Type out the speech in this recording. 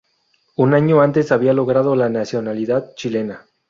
Un año antes había logrado la nacionalidad chilena.